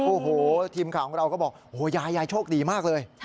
โอ้โหทีมข่าวของเราก็บอกโอ้โหยายยายโชคดีมากเลย